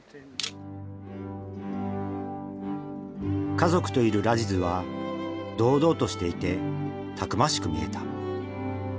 家族といるラジズは堂々としていてたくましく見えた。